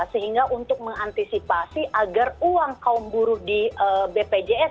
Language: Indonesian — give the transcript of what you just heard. sehingga untuk mengantisipasi agar uang kaum buruh di bpjs